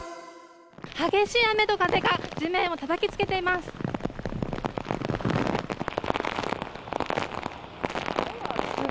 激しい雨と風が、地面をたたきつけています。